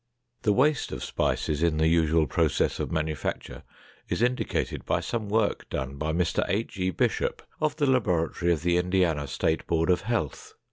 The waste of spices in the usual process of manufacture is indicated by some work done by Mr. H. E. Bishop of the laboratory of the Indiana State Board of Health.